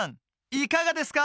いかがですか？